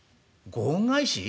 「ご恩返し？